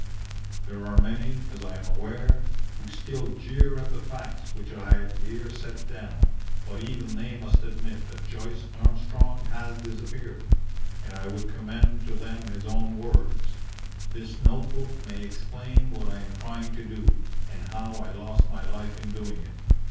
There are many, as I am aware, who still jeer at the facts which I have here set down, but even they must admit that Joyce Armstrong has disappeared, and I would commend to them his own words: "This note book may explain what I am trying to do, and how I lost my life in doing it.